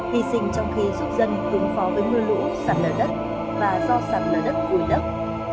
hy sinh trong khi giúp dân ứng phó với mưa lũ sạt lở đất và do sạt lở đất vùi lấp